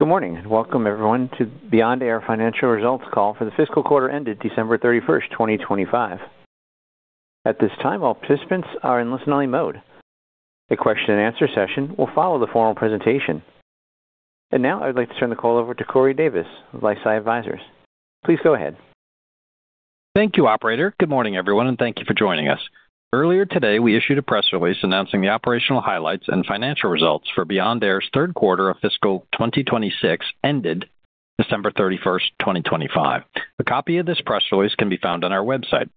Good morning, and welcome everyone to Beyond Air Financial Results Call for the fiscal quarter ended December 31st, 2025. At this time, all participants are in listen-only mode. A question-and-answer session will follow the formal presentation. And now I'd like to turn the call over to Corey Davis of LifeSci Advisors. Please go ahead. Thank you, operator. Good morning, everyone, and thank you for joining us. Earlier today, we issued a press release announcing the operational highlights and financial results for Beyond Air's third quarter of fiscal 2026, ended December 31st, 2025. A copy of this press release can be found on our website,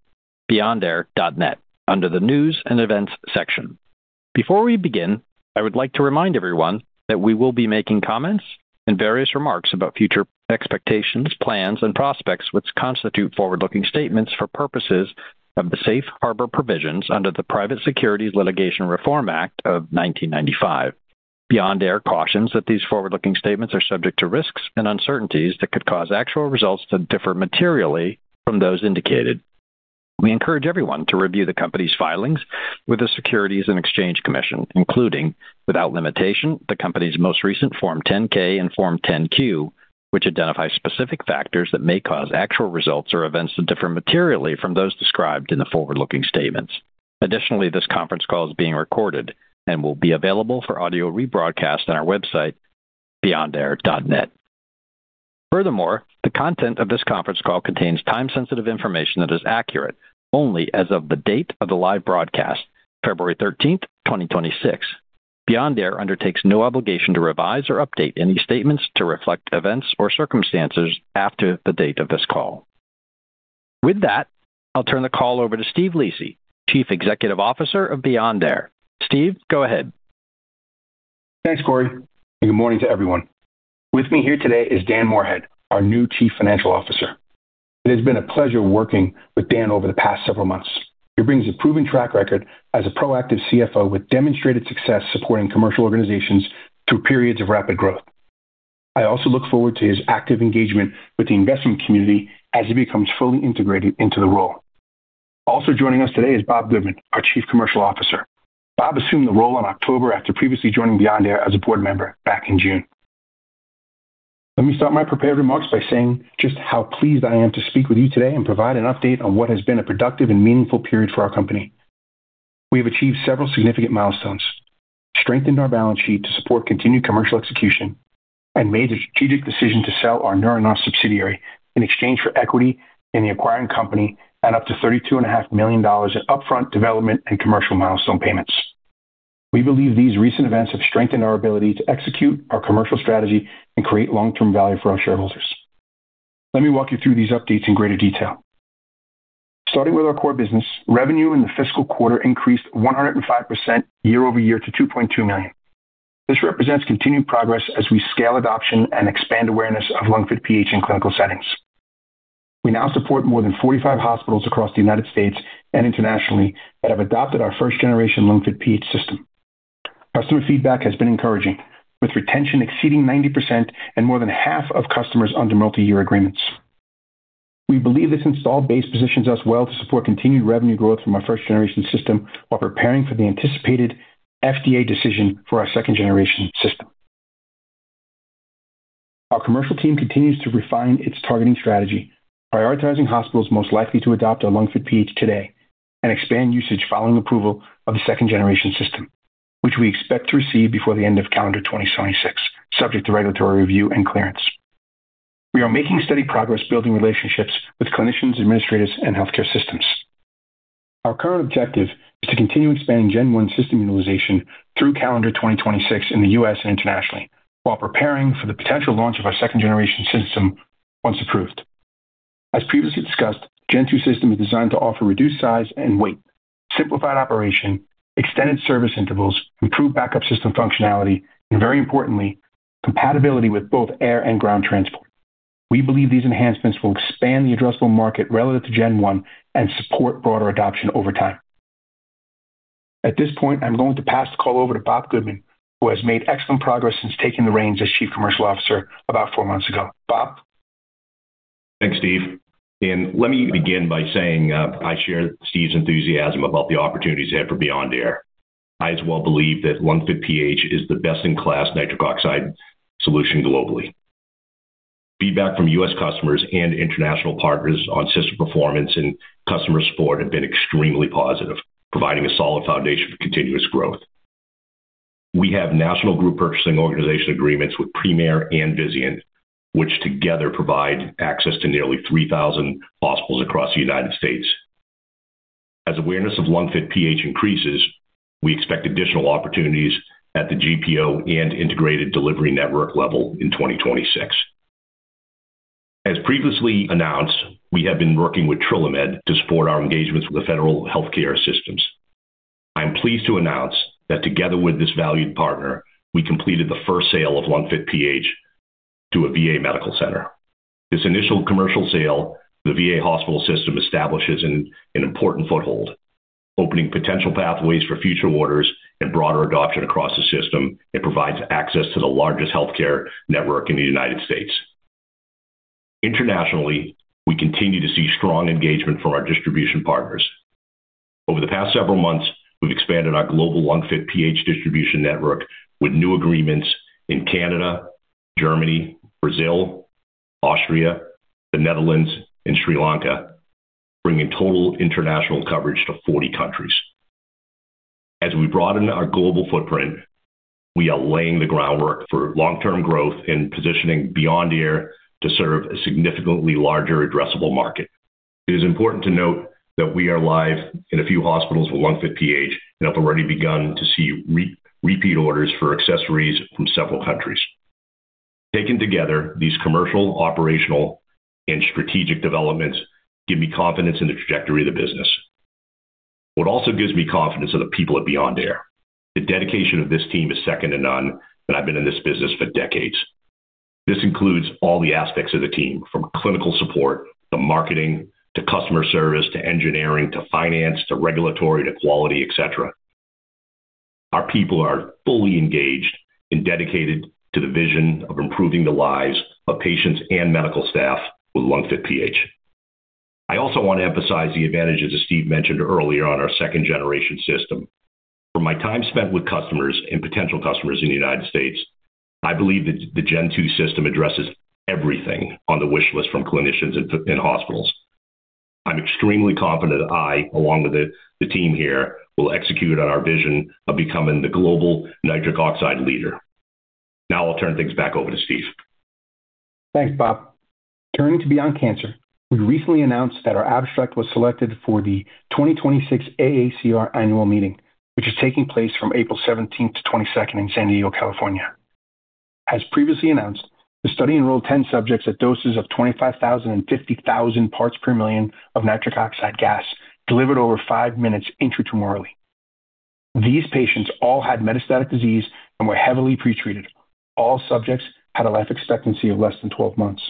beyondair.net, under the News and Events section. Before we begin, I would like to remind everyone that we will be making comments and various remarks about future expectations, plans, and prospects, which constitute forward-looking statements for purposes of the Safe Harbor Provisions under the Private Securities Litigation Reform Act of 1995. Beyond Air cautions that these forward-looking statements are subject to risks and uncertainties that could cause actual results to differ materially from those indicated. We encourage everyone to review the company's filings with the Securities and Exchange Commission, including, without limitation, the company's most recent Form 10-K and Form 10-Q, which identify specific factors that may cause actual results or events to differ materially from those described in the forward-looking statements. Additionally, this conference call is being recorded and will be available for audio rebroadcast on our website, beyondair.net. Furthermore, the content of this conference call contains time-sensitive information that is accurate only as of the date of the live broadcast, February 13, 2026. Beyond Air undertakes no obligation to revise or update any statements to reflect events or circumstances after the date of this call. With that, I'll turn the call over to Steve Lisi, Chief Executive Officer of Beyond Air. Steve, go ahead. Thanks, Corey, and good morning to everyone. With me here today is Dan Moorhead, our new Chief Financial Officer. It has been a pleasure working with Dan over the past several months. He brings a proven track record as a proactive CFO with demonstrated success supporting commercial organizations through periods of rapid growth. I also look forward to his active engagement with the investment community as he becomes fully integrated into the role. Also joining us today is Bob Goodman, our Chief Commercial Officer. Bob assumed the role in October after previously joining Beyond Air as a board member back in June. Let me start my prepared remarks by saying just how pleased I am to speak with you today and provide an update on what has been a productive and meaningful period for our company. We have achieved several significant milestones, strengthened our balance sheet to support continued commercial execution, and made a strategic decision to sell our Neuronas subsidiary in exchange for equity in the acquiring company and up to $32.5 million in upfront development and commercial milestone payments. We believe these recent events have strengthened our ability to execute our commercial strategy and create long-term value for our shareholders. Let me walk you through these updates in greater detail. Starting with our core business, revenue in the fiscal quarter increased 105% year-over-year to $2.2 million. This represents continued progress as we scale adoption and expand awareness of LungFit PH in clinical settings. We now support more than 45 hospitals across the United States and internationally that have adopted our first-generation LungFit PH system. Customer feedback has been encouraging, with retention exceeding 90% and more than half of customers under multi-year agreements. We believe this installed base positions us well to support continued revenue growth from our first-generation system while preparing for the anticipated FDA decision for our second-generation system. Our commercial team continues to refine its targeting strategy, prioritizing hospitals most likely to adopt our LungFit PH today and expand usage following approval of the second-generation system, which we expect to receive before the end of calendar 2026, subject to regulatory review and clearance. We are making steady progress building relationships with clinicians, administrators, and healthcare systems. Our current objective is to continue expanding Gen 1 system utilization through calendar 2026 in the U.S. and internationally, while preparing for the potential launch of our second-generation system once approved. As previously discussed, Gen 2 system is designed to offer reduced size and weight, simplified operation, extended service intervals, improved backup system functionality, and very importantly, compatibility with both air and ground transport. We believe these enhancements will expand the addressable market relative to Gen 1 and support broader adoption over time. At this point, I'm going to pass the call over to Bob Goodman, who has made excellent progress since taking the reins as Chief Commercial Officer about four months ago. Bob? Thanks, Steve, and let me begin by saying, I share Steve's enthusiasm about the opportunities ahead for Beyond Air. I as well believe that LungFit PH is the best-in-class nitric oxide solution globally. Feedback from U.S. customers and international partners on system performance and customer support have been extremely positive, providing a solid foundation for continuous growth. We have national group purchasing organization agreements with Premier and Vizient, which together provide access to nearly 3,000 hospitals across the United States. As awareness of LungFit PH increases, we expect additional opportunities at the GPO and integrated delivery network level in 2026. As previously announced, we have been working with TrillaMed to support our engagements with the federal healthcare systems. I am pleased to announce that together with this valued partner, we completed the first sale of LungFit PH to a VA Medical Center. This initial commercial sale to the VA hospital system establishes an important foothold, opening potential pathways for future orders and broader adoption across the system, and provides access to the largest healthcare network in the United States. Internationally, we continue to see strong engagement from our distribution partners. Over the past several months, we've expanded our global LungFit PH distribution network with new agreements in Canada, Germany, Brazil, Austria, the Netherlands, and Sri Lanka, bringing total international coverage to 40 countries. As we broaden our global footprint, we are laying the groundwork for long-term growth and positioning Beyond Air to serve a significantly larger addressable market. It is important to note that we are live in a few hospitals with LungFit PH, and have already begun to see repeat orders for accessories from several countries. Taken together, these commercial, operational, and strategic developments give me confidence in the trajectory of the business. What also gives me confidence are the people at Beyond Air. The dedication of this team is second to none, and I've been in this business for decades. This includes all the aspects of the team, from clinical support, to marketing, to customer service, to engineering, to finance, to regulatory, to quality, et cetera. Our people are fully engaged and dedicated to the vision of improving the lives of patients and medical staff with LungFit PH. I also want to emphasize the advantages, as Steve mentioned earlier, on our second generation system. From my time spent with customers and potential customers in the United States, I believe that the Gen 2 system addresses everything on the wish list from clinicians in hospitals. I'm extremely confident that I, along with the team here, will execute on our vision of becoming the global nitric oxide leader. Now I'll turn things back over to Steve. Thanks, Bob. Turning to Beyond Cancer, we recently announced that our abstract was selected for the 2026 AACR Annual Meeting, which is taking place from April 17th to 22nd in San Diego, California. As previously announced, the study enrolled 10 subjects at doses of 25,000 and 50,000 parts per million of nitric oxide gas, delivered over five minutes intratumorally. These patients all had metastatic disease and were heavily pretreated. All subjects had a life expectancy of less than 12 months.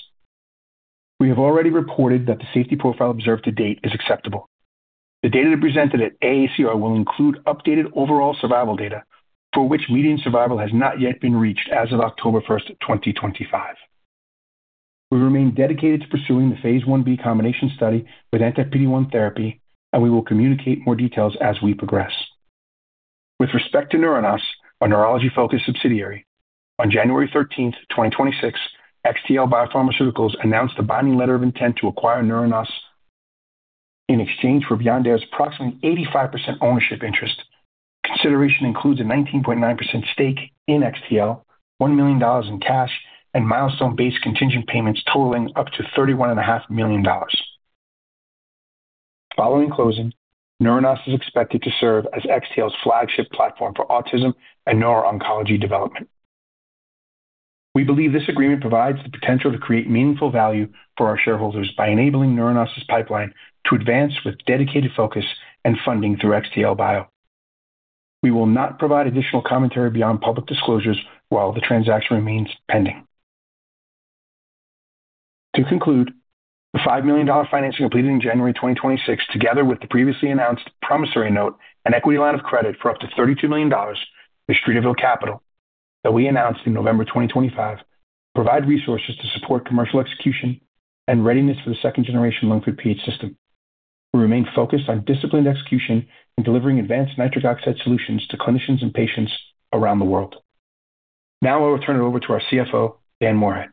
We have already reported that the safety profile observed to date is acceptable. The data presented at AACR will include updated overall survival data, for which median survival has not yet been reached as of October 1st, 2025. We remain dedicated to pursuing the phase I-B combination study with anti-PD-1 therapy, and we will communicate more details as we progress. With respect to Neuronas, our neurology-focused subsidiary, on January 13th, 2026, XTL Biopharmaceuticals announced a binding letter of intent to acquire Neuronas in exchange for Beyond Air's approximately 85% ownership interest. Consideration includes a 19.9% stake in XTL, $1 million in cash, and milestone-based contingent payments totaling up to $31.5 million. Following closing, Neuronas is expected to serve as XTL's flagship platform for autism and neuro-oncology development. We believe this agreement provides the potential to create meaningful value for our shareholders by enabling Neuronas' pipeline to advance with dedicated focus and funding through XTL Bio. We will not provide additional commentary beyond public disclosures while the transaction remains pending. To conclude, the $5 million financing completed in January 2026, together with the previously announced promissory note and equity line of credit for up to $32 million with Streeterville Capital that we announced in November 2025, provide resources to support commercial execution and readiness for the second-generation LungFit PH system. We remain focused on disciplined execution and delivering advanced nitric oxide solutions to clinicians and patients around the world. Now I will turn it over to our CFO, Dan Moorhead.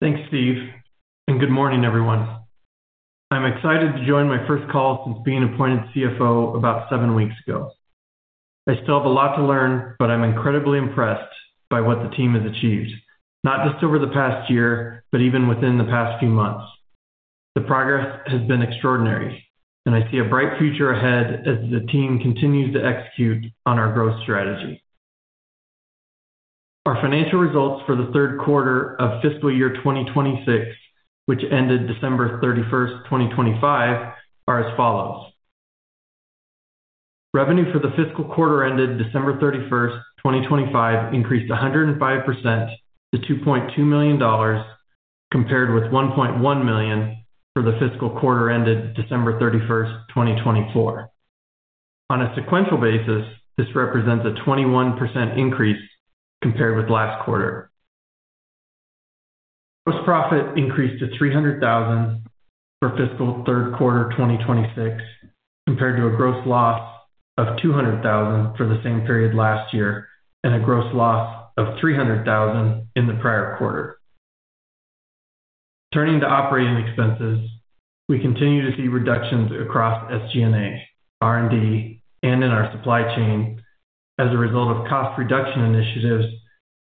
Thanks, Steve, and good morning, everyone. I'm excited to join my first call since being appointed CFO about seven weeks ago. I still have a lot to learn, but I'm incredibly impressed by what the team has achieved, not just over the past year, but even within the past few months. The progress has been extraordinary, and I see a bright future ahead as the team continues to execute on our growth strategy. Our financial results for the third quarter of fiscal year 2026, which ended December 31st, 2025, are as follows: Revenue for the fiscal quarter ended December 31st, 2025, increased 105% to $2.2 million, compared with $1.1 million for the fiscal quarter ended December 31, 2024. On a sequential basis, this represents a 21% increase compared with last quarter. Gross profit increased to $300,000 for fiscal third quarter 2026, compared to a gross loss of $200,000 for the same period last year, and a gross loss of $300,000 in the prior quarter. Turning to operating expenses, we continue to see reductions across SG&A, R&D, and in our supply chain as a result of cost reduction initiatives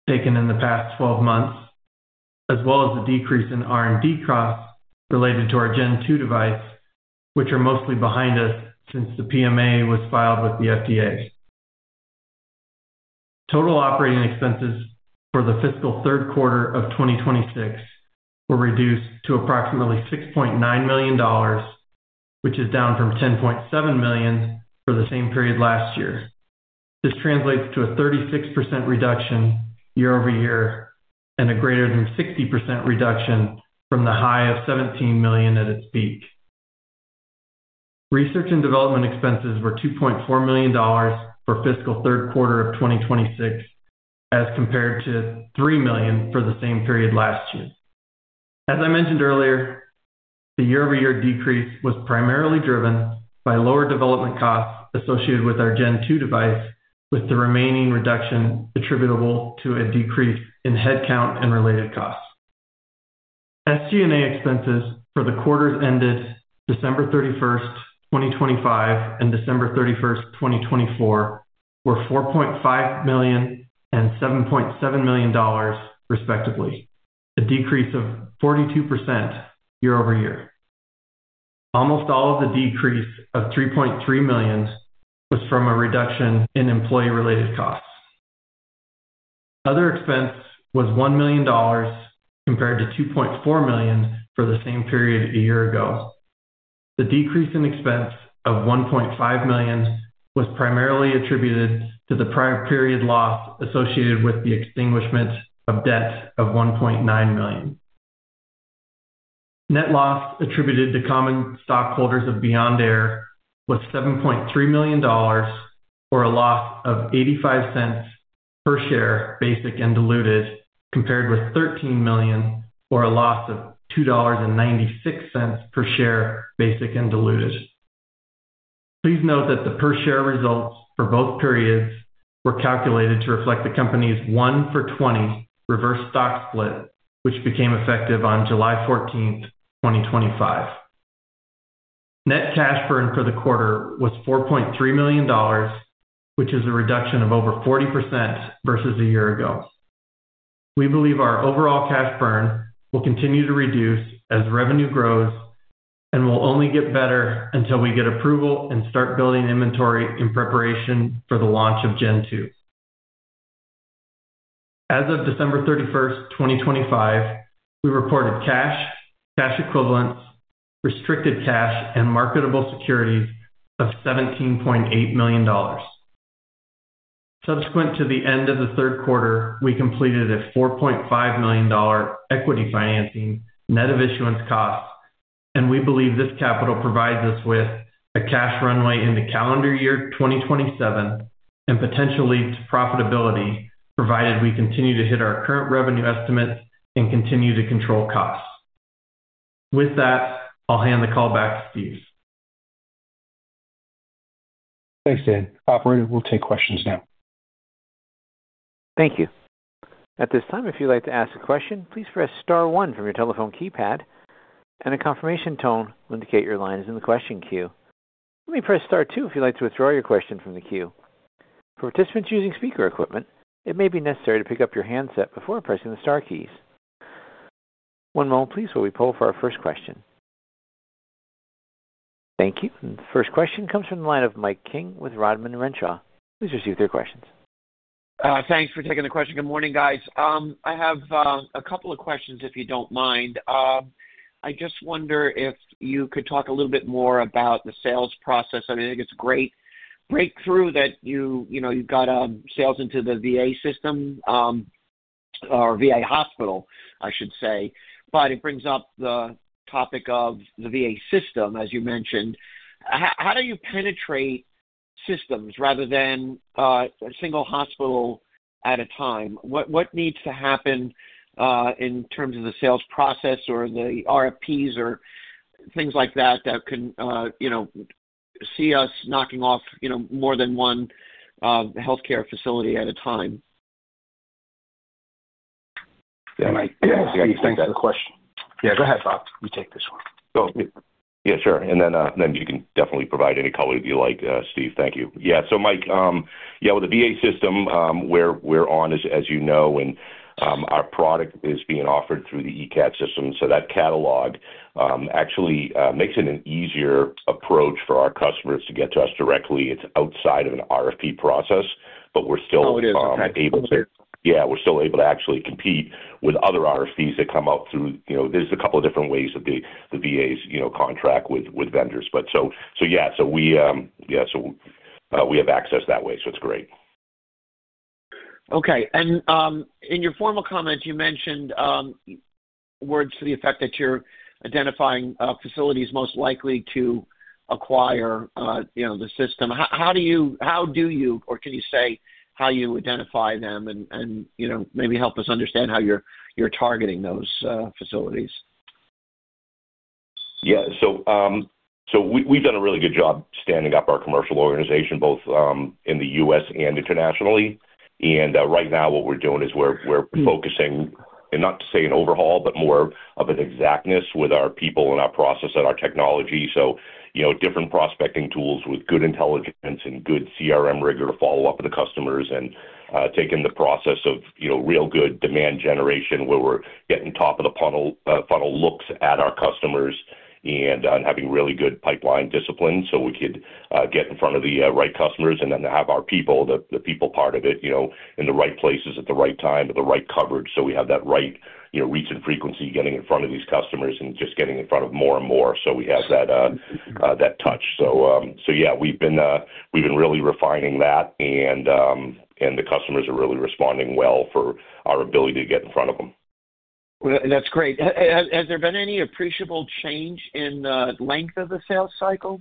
taken in the past 12 months, as well as the decrease in R&D costs related to our Gen 2 device, which are mostly behind us since the PMA was filed with the FDA. Total operating expenses for the fiscal third quarter of 2026 were reduced to approximately $6.9 million, which is down from $10.7 million for the same period last year. This translates to a 36% reduction year-over-year, and a greater than 60% reduction from the high of $17 million at its peak... Research and development expenses were $2.4 million for fiscal third quarter of 2026, as compared to $3 million for the same period last year. As I mentioned earlier, the year-over-year decrease was primarily driven by lower development costs associated with our Gen 2 device, with the remaining reduction attributable to a decrease in headcount and related costs. SG&A expenses for the quarters ended December 31st, 2025, and December 31st, 2024, were $4.5 million and $7.7 million, respectively, a decrease of 42% year-over-year. Almost all of the decrease of $3.3 million was from a reduction in employee-related costs. Other expense was $1 million, compared to $2.4 million for the same period a year ago. The decrease in expense of $1.5 million was primarily attributed to the prior period loss associated with the extinguishment of debt of $1.9 million. Net loss attributed to common stockholders of Beyond Air was $7.3 million, or a loss of $0.85 per share, basic and diluted, compared with $13 million, or a loss of $2.96 per share, basic and diluted. Please note that the per share results for both periods were calculated to reflect the company's 1-for-20 reverse stock split, which became effective on July 14th, 2025. Net cash burn for the quarter was $4.3 million, which is a reduction of over 40% versus a year ago. We believe our overall cash burn will continue to reduce as revenue grows and will only get better until we get approval and start building inventory in preparation for the launch of Gen 2. As of December 31st, 2025, we reported cash, cash equivalents, restricted cash, and marketable securities of $17.8 million. Subsequent to the end of the third quarter, we completed a $4.5 million dollar equity financing, net of issuance costs, and we believe this capital provides us with a cash runway into calendar year 2027 and potentially to profitability, provided we continue to hit our current revenue estimates and continue to control costs. With that, I'll hand the call back to Steve. Thanks, Dan. Operator, we'll take questions now. Thank you. At this time, if you'd like to ask a question, please press star one from your telephone keypad and a confirmation tone will indicate your line is in the question queue. Let me press star two if you'd like to withdraw your question from the queue. For participants using speaker equipment, it may be necessary to pick up your handset before pressing the star keys. One moment please, while we poll for our first question. Thank you. The first question comes from the line of Mike King with Rodman & Renshaw. Please proceed with your questions. Thanks for taking the question. Good morning, guys. I have a couple of questions, if you don't mind. I just wonder if you could talk a little bit more about the sales process. I think it's a great breakthrough that you, you know, you've got sales into the VA system, or VA hospital, I should say. But it brings up the topic of the VA system, as you mentioned. How do you penetrate systems rather than a single hospital at a time? What needs to happen in terms of the sales process or the RFPs or things like that that can, you know, see us knocking off, you know, more than one healthcare facility at a time? Yeah, Mike. Thanks for the question. Yeah, go ahead, Bob, you take this one. Yeah, sure. And then, then you can definitely provide any color you like, Steve. Thank you. Yeah. So, Mike, yeah, with the VA system, we're, we're on, as, as you know, and, our product is being offered through the ECAT system. So that catalog, actually, makes it an easier approach for our customers to get to us directly. It's outside of an RFP process, but we're still. Oh, it is. Yeah, we're still able to actually compete with other RFPs that come out through. You know, there's a couple of different ways that the VAs, you know, contract with vendors. But yeah, we have access that way, so it's great. Okay. And in your formal comments, you mentioned words to the effect that you're identifying facilities most likely to acquire, you know, the system. How do you or can you say how you identify them and, you know, maybe help us understand how you're targeting those facilities? Yeah. So we've done a really good job standing up our commercial organization, both in the U.S. and internationally. And right now what we're doing is we're focusing, and not to say an overhaul, but more of an exactness with our people and our process and our technology. So you know, different prospecting tools with good intelligence and good CRM rigor to follow up with the customers and taking the process of, you know, real good demand generation, where we're getting top of the funnel looks at our customers. Having really good pipeline discipline so we could get in front of the right customers and then to have our people, the people part of it, you know, in the right places at the right time, with the right coverage. So we have that right, you know, reach and frequency, getting in front of these customers and just getting in front of more and more. So we have that, that touch. So, so yeah, we've been really refining that and, and the customers are really responding well for our ability to get in front of them. Well, that's great. Has there been any appreciable change in the length of the sales cycle?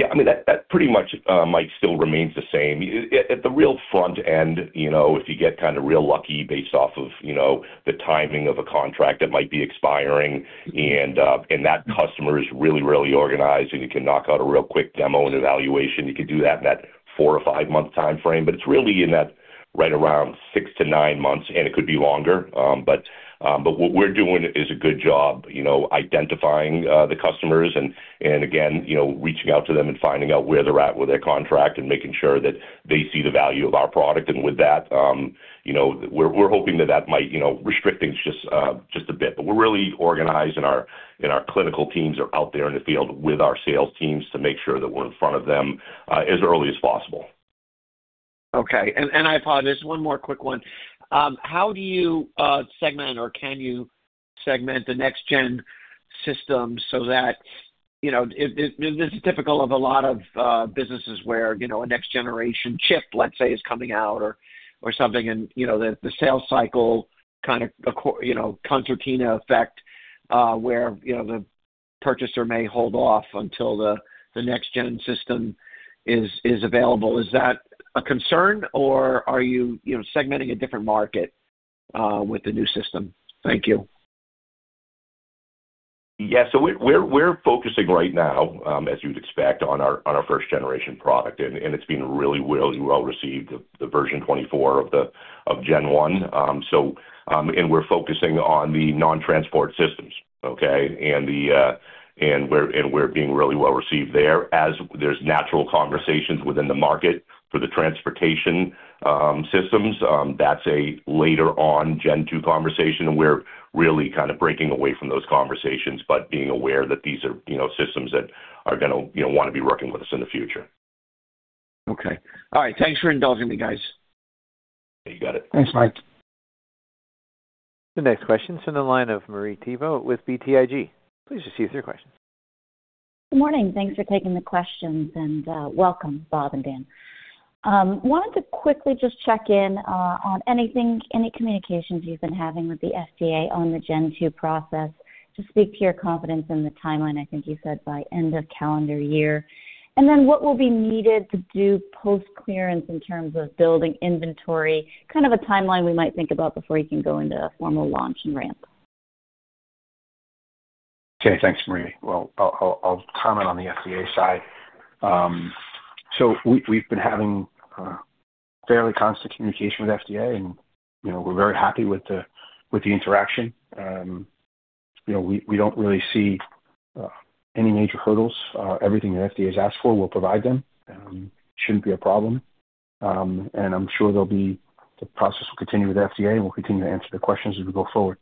Yeah, I mean, that, that pretty much, Mike, still remains the same. At, at the real front end, you know, if you get kind of real lucky based off of, you know, the timing of a contract that might be expiring and, and that customer is really, really organized, and you can knock out a real quick demo and evaluation, you can do that in that four or five month time frame. But it's really in that right around six to nine months, and it could be longer. But, but what we're doing is a good job, you know, identifying, the customers and, and again, you know, reaching out to them and finding out where they're at with their contract and making sure that they see the value of our product. And with that, you know, we're hoping that might, you know, restrict things just a bit. But we're really organized, and our clinical teams are out there in the field with our sales teams to make sure that we're in front of them as early as possible. Okay. And I apologize, one more quick one. How do you segment or can you segment the next gen system so that, you know. This is typical of a lot of businesses where, you know, a next generation chip, let's say, is coming out or something and, you know, the sales cycle kind of, you know, concertina effect, where, you know, the purchaser may hold off until the next gen system is available. Is that a concern, or are you, you know, segmenting a different market with the new system? Thank you. Yeah. So we're focusing right now, as you'd expect, on our first generation product, and it's been really well received, the version 24 of gen one. So, and we're focusing on the non-transport systems, okay? And we're being really well received there as there's natural conversations within the market for the transportation systems. That's a later on gen two conversation, and we're really kind of breaking away from those conversations, but being aware that these are, you know, systems that are gonna, you know, want to be working with us in the future. Okay. All right. Thanks for indulging me, guys. You got it. Thanks, Mike. The next question is in the line of Marie Thibault with BTIG. Please just proceed with your question. Good morning. Thanks for taking the questions, and welcome, Bob and Dan. Wanted to quickly just check in on anything, any communications you've been having with the FDA on the gen two process to speak to your confidence in the timeline. I think you said by end of calendar year. And then what will be needed to do post-clearance in terms of building inventory, kind of a timeline we might think about before you can go into a formal launch and ramp? Okay. Thanks, Marie. Well, I'll comment on the FDA side. So we've been having fairly constant communication with FDA, and, you know, we're very happy with the interaction. You know, we don't really see any major hurdles. Everything the FDA has asked for, we'll provide them. Shouldn't be a problem. And I'm sure there'll be the process will continue with FDA, and we'll continue to answer the questions as we go forward.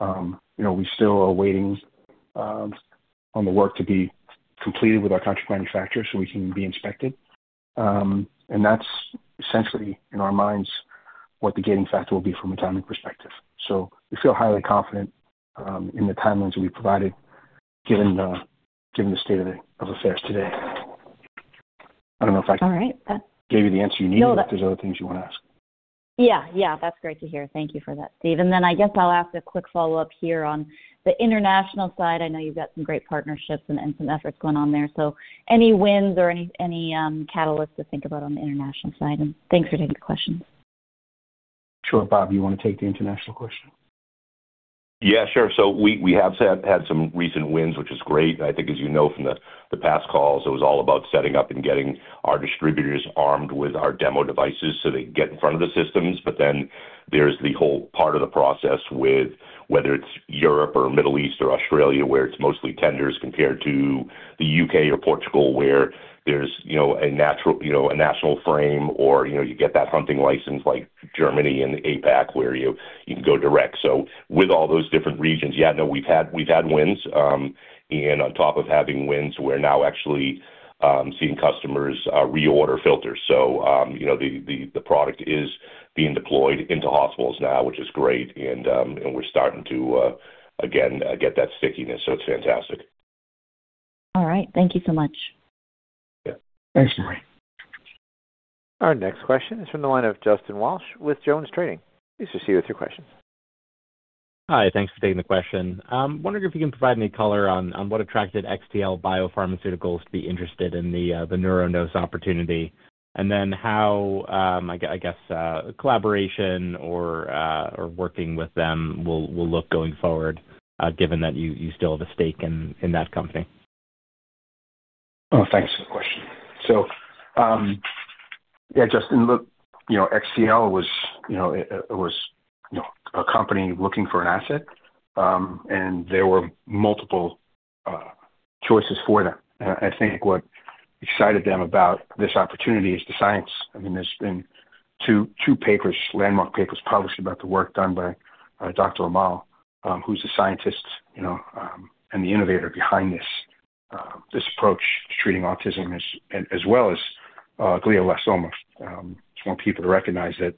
You know, we still are waiting on the work to be completed with our contract manufacturer so we can be inspected. And that's essentially, in our minds, what the gating factor will be from a timing perspective. So we feel highly confident in the timelines that we provided, given the state of affairs today. I don't know if I- All right. Gave you the answer you needed. No, that- If there's other things you want to ask. Yeah, yeah. That's great to hear. Thank you for that, Steve. And then I guess I'll ask a quick follow-up here on the international side. I know you've got some great partnerships and some efforts going on there. So any wins or any catalysts to think about on the international side? And thanks for taking the questions. Sure. Bob, you want to take the international question? Yeah, sure. So we have had some recent wins, which is great. I think, as you know from the past calls, it was all about setting up and getting our distributors armed with our demo devices so they can get in front of the systems. But then there's the whole part of the process with whether it's Europe or Middle East or Australia, where it's mostly tenders, compared to the U.K. or Portugal, where there's, you know, a natural, you know, a national frame or, you know, you get that hunting license like Germany and APAC, where you can go direct. So with all those different regions, yeah, we've had wins. And on top of having wins, we're now actually seeing customers reorder filters. So, you know, the product is being deployed into hospitals now, which is great, and we're starting to again get that stickiness, so it's fantastic. All right. Thank you so much. Yeah. Thanks, Marie. Our next question is from the line of Justin Walsh with JonesTrading. Please proceed with your question. Hi, thanks for taking the question. Wondering if you can provide any color on what attracted XTL Biopharmaceuticals to be interested in the Neuronas opportunity, and then how, I guess, collaboration or working with them will look going forward, given that you still have a stake in that company? Well, thanks for the question. So, yeah, Justin, look, you know, XTL was, you know, was, you know, a company looking for an asset, and there were multiple, choices for them. I think what excited them about this opportunity is the science. I mean, there's been two, two papers, landmark papers, published about the work done by, Dr. Amal, who's the scientist, you know, and the innovator behind this, this approach to treating autism as, as well as, glioblastoma. I just want people to recognize that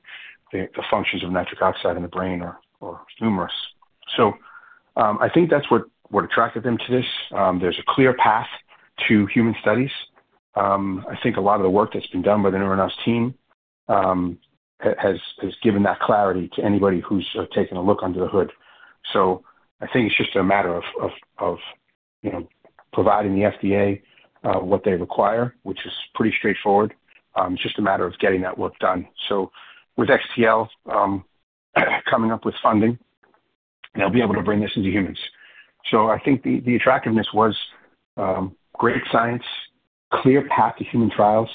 the, the functions of nitric oxide in the brain are, are numerous. So I think that's what, what attracted them to this. There's a clear path to human studies. I think a lot of the work that's been done by the Neuronas team has given that clarity to anybody who's taken a look under the hood. So I think it's just a matter of you know, providing the FDA what they require, which is pretty straightforward. It's just a matter of getting that work done. So with XTL coming up with funding, they'll be able to bring this into humans. So I think the attractiveness was great science, clear path to human trials,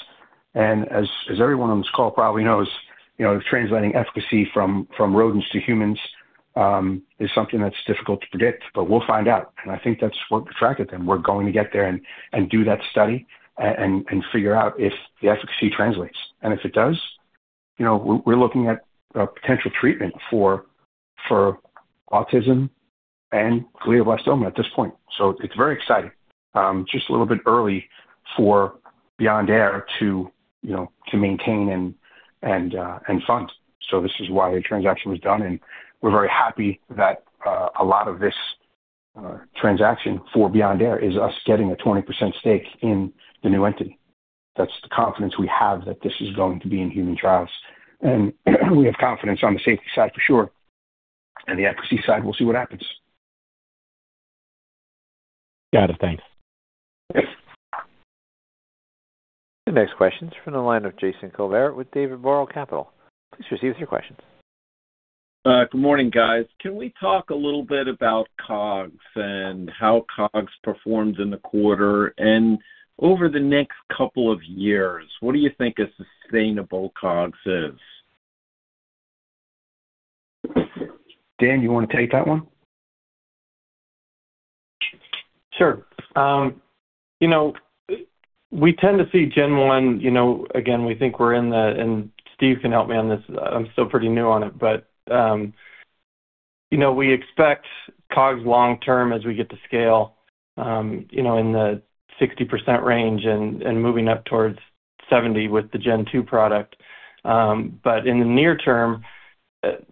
and as everyone on this call probably knows, you know, translating efficacy from rodents to humans is something that's difficult to predict, but we'll find out, and I think that's what attracted them. We're going to get there and do that study and figure out if the efficacy translates. If it does, you know, we're looking at a potential treatment for autism and glioblastoma at this point. It's very exciting. Just a little bit early for Beyond Air to maintain and fund. This is why the transaction was done, and we're very happy that a lot of this transaction for Beyond Air is us getting a 20% stake in the new entity. That's the confidence we have that this is going to be in human trials. We have confidence on the safety side for sure, and the efficacy side, we'll see what happens. Got it. Thanks. Thanks. The next question is from the line of Jason Kolbert with Dawson James Capital. Please proceed with your questions. Good morning, guys. Can we talk a little bit about COGS and how COGS performed in the quarter? Over the next couple of years, what do you think a sustainable COGS is? Dan, you wanna take that one? Sure. You know, we tend to see Gen 1, you know, again, we think we're in the, and Steve can help me on this. I'm still pretty new on it, but, you know, we expect COGS long term as we get to scale, you know, in the 60% range and, and moving up towards 70 with the Gen 2 product. But in the near term,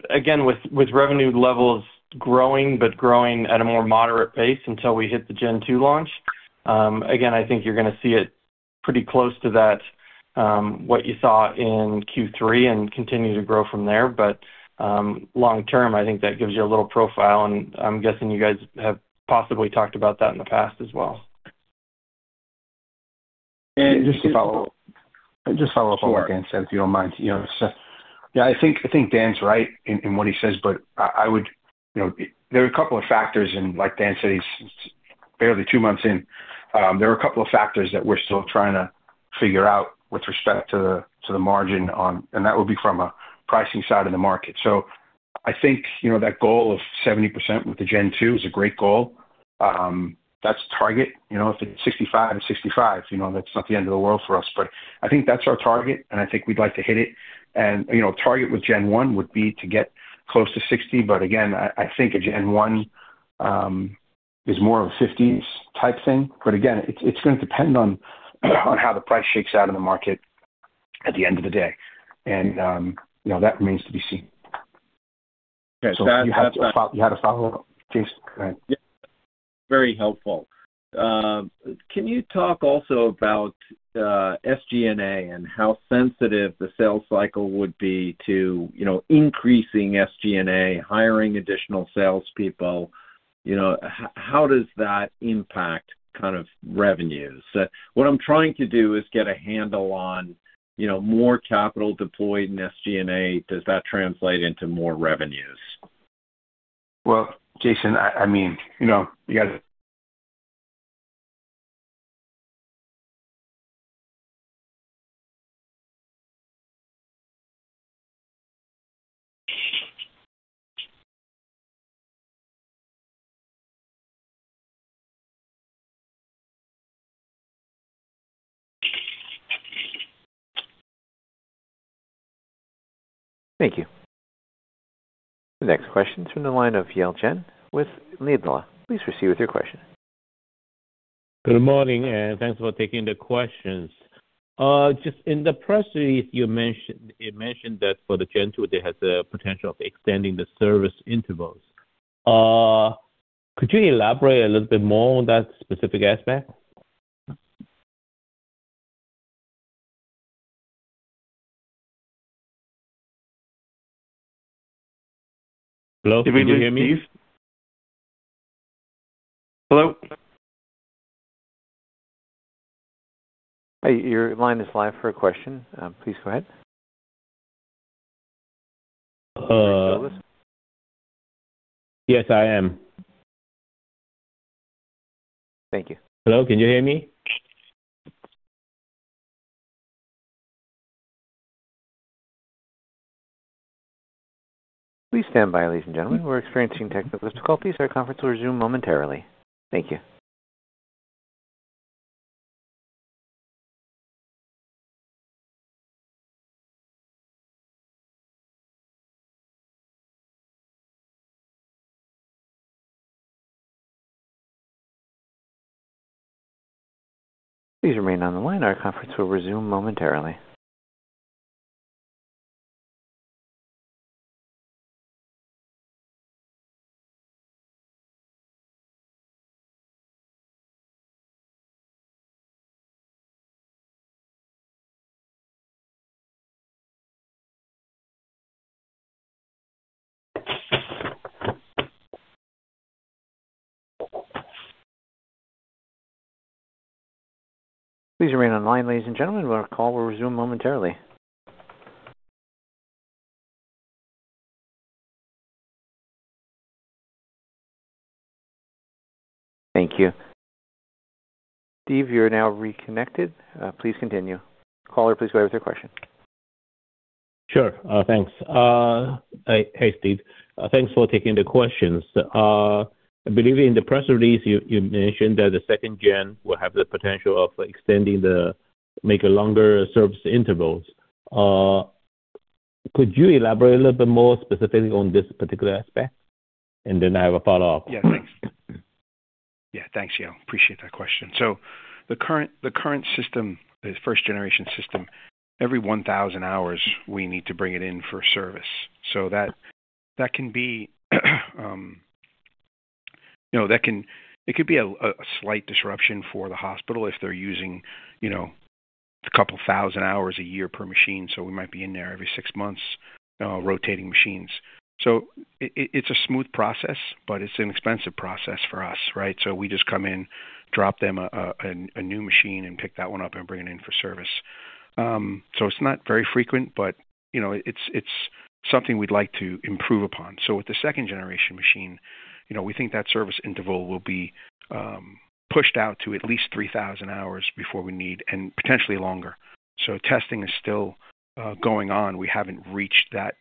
again, with, with revenue levels growing, but growing at a more moderate pace until we hit the Gen 2 launch, again, I think you're gonna see it pretty close to that, what you saw in Q3 and continue to grow from there. But, long term, I think that gives you a little profile, and I'm guessing you guys have possibly talked about that in the past as well. And just to follow- Just follow up on what Dan said, if you don't mind. You know, so, yeah, I think, I think Dan's right in, in what he says, but I, I would... You know, there are a couple of factors and like Dan said, he's barely two months in. There are a couple of factors that we're still trying to figure out with respect to the, to the margin on, and that would be from a pricing side of the market. So I think, you know, that goal of 70% with the Gen 2 is a great goal. That's the target. You know, if it's 65, it's 65, you know, that's not the end of the world for us, but I think that's our target, and I think we'd like to hit it. You know, target with gen one would be to get close to 60, but again, I, I think a gen one is more of a 50s type thing. But again, it's, it's gonna depend on how the price shakes out in the market at the end of the day. And you know, that remains to be seen. Okay. You had a follow-up, Jason, go ahead. Yeah. Very helpful. Can you talk also about SG&A and how sensitive the sales cycle would be to, you know, increasing SG&A, hiring additional salespeople? You know, how does that impact kind of revenues? What I'm trying to do is get a handle on, you know, more capital deployed in SG&A, does that translate into more revenues? Well, Jason, I mean, you know, you got. Thank you. The next question is from the line of Yale Jen with Laidlaw. Please proceed with your question. Good morning, and thanks for taking the questions. Just in the press release, you mentioned, you mentioned that for the Gen 2, there has the potential of extending the service intervals. Could you elaborate a little bit more on that specific aspect? Hello, can you hear me? Hello? Hey, your line is live for a question. Please go ahead. Are you with us? Yes, I am. Thank you. Hello, can you hear me? Please stand by, ladies and gentlemen. We're experiencing technical difficulties. Our conference will resume momentarily. Thank you. Please remain on the line. Our conference will resume momentarily. Please remain on line, ladies and gentlemen, our call will resume momentarily. Thank you. Steve, you're now reconnected. Please continue. Caller, please go ahead with your question. Sure. Thanks. Hey, Steve. Thanks for taking the questions. I believe in the press release you mentioned that the second gen will have the potential of extending the service intervals. Could you elaborate a little bit more specifically on this particular aspect? And then I have a follow-up. Yeah, thanks. Yeah, thanks, Yale. Appreciate that question. So the current, the current system, the first generation system, every 1,000 hours, we need to bring it in for service. So that, that can be, you know, that can, it could be a slight disruption for the hospital if they're using, you know, a couple 1,000 hours a year per machine, so we might be in there every six months, rotating machines. So it, it, it's a smooth process, but it's an expensive process for us, right? So we just come in, drop them a new machine and pick that one up and bring it in for service. So it's not very frequent, but, you know, it's, it's something we'd like to improve upon. So with the second generation machine, you know, we think that service interval will be pushed out to at least 3,000 hours before we need, and potentially longer. So testing is still going on. We haven't reached that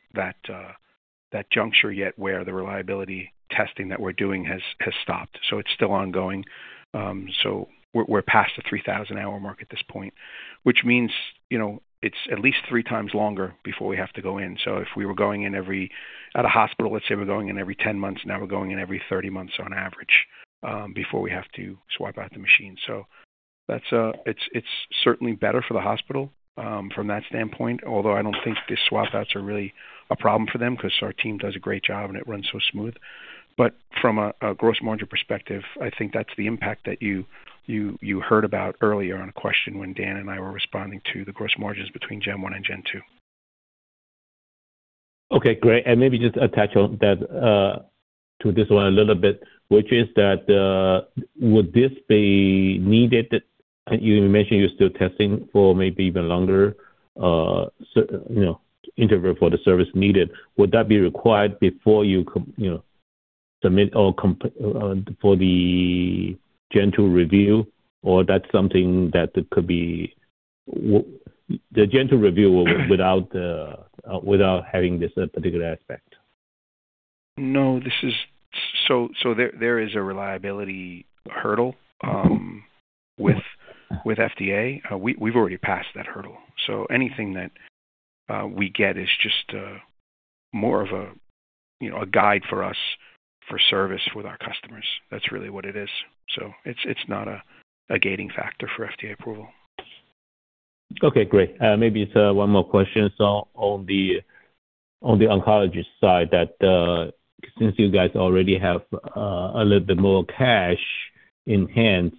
juncture yet where the reliability testing that we're doing has stopped. So it's still ongoing. So we're past the 3,000-hour mark at this point, which means, you know, it's at least 3 times longer before we have to go in. So if we were going in every, at a hospital, let's say we're going in every 10 months, now we're going in every 30 months on average before we have to swap out the machine. So that's, it's certainly better for the hospital, from that standpoint, although I don't think the swap outs are really a problem for them because our team does a great job, and it runs so smooth. But from a gross margin perspective, I think that's the impact that you heard about earlier on a question when Dan and I were responding to the gross margins between Gen 1 and Gen 2. Okay, great. And maybe just attach on that to this one a little bit, which is that would this be needed? You mentioned you're still testing for maybe even longer, so, you know, interval for the service needed. Would that be required before you you know, submit or for the gen two review, or that's something that could be the gen two review without the without having this particular aspect? No, this is so there is a reliability hurdle with FDA. We've already passed that hurdle, so anything that we get is just more of a, you know, a guide for us for service with our customers. That's really what it is. So it's not a gating factor for FDA approval. Okay, great. Maybe it's one more question. So on the oncology side, that since you guys already have a little bit more cash in hand,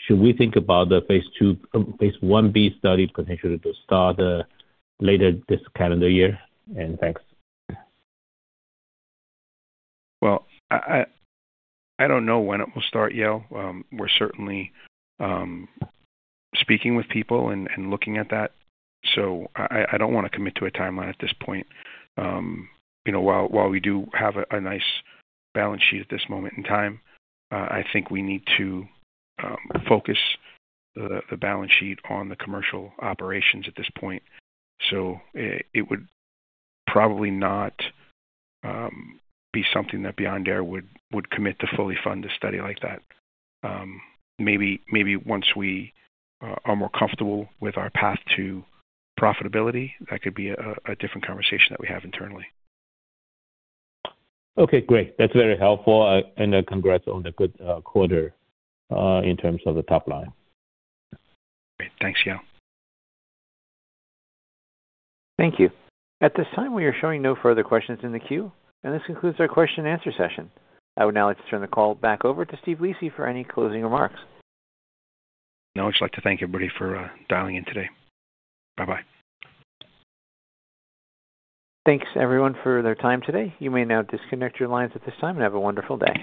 should we think about the phase II, phase I-B study potentially to start later this calendar year? And thanks. Well, I don't know when it will start, Yale. We're certainly speaking with people and looking at that, so I don't want to commit to a timeline at this point. You know, while we do have a nice balance sheet at this moment in time, I think we need to focus the balance sheet on the commercial operations at this point. So it would probably not be something that Beyond Air would commit to fully fund a study like that. Maybe once we are more comfortable with our path to profitability, that could be a different conversation that we have internally. Okay, great. That's very helpful, and congrats on the good quarter in terms of the top line. Great. Thanks, Yale. Thank you. At this time, we are showing no further questions in the queue, and this concludes our question and answer session. I would now like to turn the call back over to Steve Lisi for any closing remarks. I'd like to thank everybody for dialing in today. Bye-bye. Thanks, everyone, for their time today. You may now disconnect your lines at this time, and have a wonderful day.